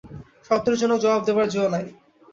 সন্তোষজনক জবাব দেবার জো নেই।